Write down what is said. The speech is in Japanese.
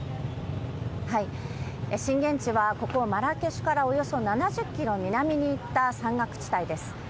震源地はここ、マラケシュからおよそ７０キロ南に行った山岳地帯です。